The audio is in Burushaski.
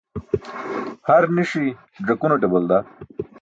Har ni̇ṣi̇ ẓakunate balda.